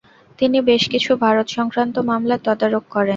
তিনি বেশ কিছু ভারত সংক্রান্ত মামলার তদারক করেন।